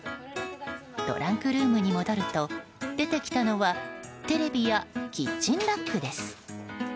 トランクルームに戻ると出てきたのはテレビやキッチンラックです。